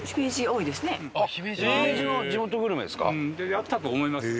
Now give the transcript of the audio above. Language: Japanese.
やったと思いますよ。